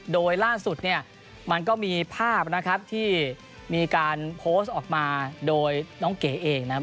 โดยล่าสุดเนี่ยมันก็มีภาพนะครับที่มีการโพสต์ออกมาโดยน้องเก๋เองนะครับ